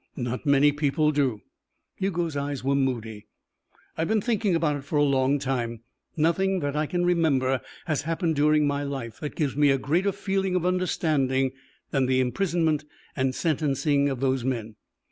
"Not many people do." Hugo's eyes were moody. "I have been thinking about it for a long time. Nothing that I can remember has happened during my life that gives me a greater feeling of understanding than the imprisonment and sentencing of those men.